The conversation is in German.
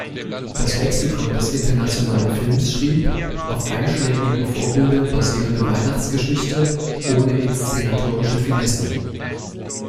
Das Lexikon des internationalen Films schrieb: „Auf einschlägigen Vorbildern basierende Weihnachtsgeschichte ohne inszenatorische Finesse.